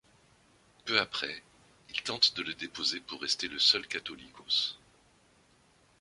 Peu après, il tente de le déposer pour rester le seul Catholicos.